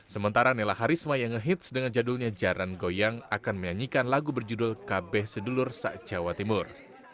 sementara nela karisma yang ngehits dengan jadulnya jaran goyang akan menyanyikan lagu berjudul kabeh sedulur sa'cewa timur